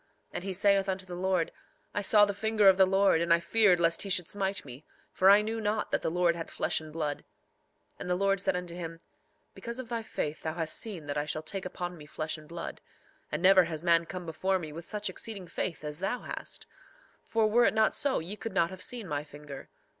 3:8 And he saith unto the Lord: I saw the finger of the Lord, and I feared lest he should smite me; for I knew not that the Lord had flesh and blood. 3:9 And the Lord said unto him: Because of thy faith thou hast seen that I shall take upon me flesh and blood; and never has man come before me with such exceeding faith as thou hast; for were it not so ye could not have seen my finger.